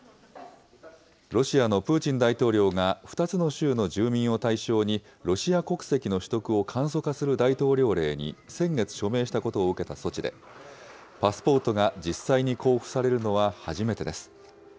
ロシアのプーチン大統領が２つの州の住民を対象に、ロシア国籍の取得を簡素化する大統領令に先月、署名したことを受けた措置で、パスポートが実際に交付されるのは初めてです。